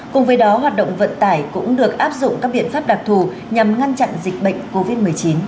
cùng với đó hoạt động vận tải cũng được áp dụng các biện pháp đặc thù nhằm ngăn chặn dịch bệnh covid một mươi chín